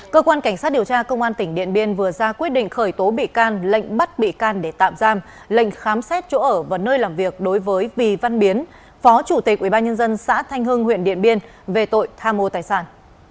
cơ quan cảnh sát điều tra công an tỉnh điện biên vừa ra quyết định khởi tố bị can lệnh bắt bị can để tạm giam lệnh khám xét chỗ ở và nơi làm việc đối với vì văn biến phó chủ tịch ubnd xã thanh hưng huyện điện biên về tội tha mô tài sản